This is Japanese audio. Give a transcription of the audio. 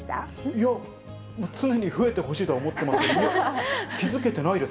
いや、常に増えてほしいとは思ってますけども、気付けてないです。